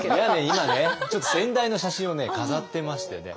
今ねちょっと先代の写真を飾ってましてね。